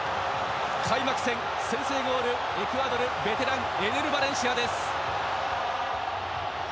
開幕戦、先制ゴールはエクアドルベテランのエネル・バレンシア。